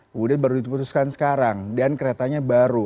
kemudian baru diputuskan sekarang dan keretanya baru